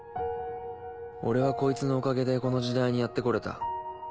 俺はこいつのおかげでこの時代にやって来れた。